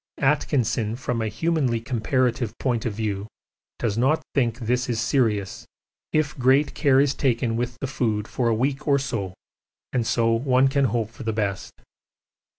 Atkinson, from a humanly comparative point of view, does not think this is serious if great care is taken with the food for a week or so, and so one can hope for the best.